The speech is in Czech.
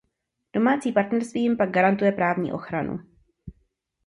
Domácí partnerství jim pak garantuje právní ochranu.